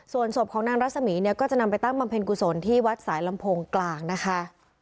ส่วนศพของนางรัศมีร์เนี่ยก็จะนำไปตั้งบำเพ็ญกุศลที่วัดสายลำโพงกลางนะคะ